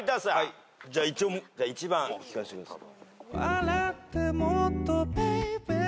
じゃあ１番聞かせてください。